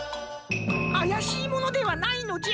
あやしいものではないのじゃ！